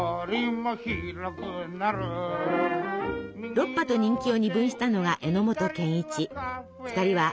ロッパと人気を二分したのが榎本健一。